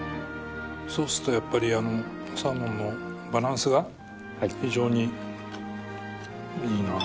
ソースとやっぱりサーモンのバランスが非常にいいなあ。